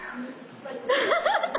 アハハハ！